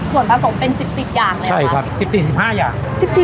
ส่วนผสมเป็น๑๔อย่างเลยใช่ครับ๑๔๑๕อย่าง